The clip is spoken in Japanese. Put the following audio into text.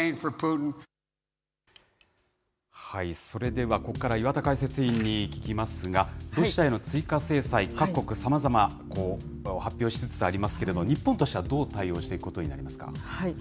それではここからは岩田解説委員に聞きますが、ロシアへの追加制裁、各国さまざま発表しつつありますけれども、日本としてはどう対応していくことになりますか。